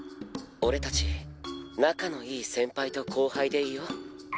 私たち仲のいい先輩と後輩でいましょうね！